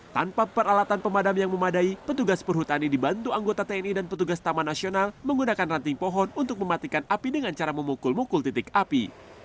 tanpa peralatan pemadam yang memadai petugas perhutani dibantu anggota tni dan petugas taman nasional menggunakan ranting pohon untuk mematikan api dengan cara memukul mukul titik api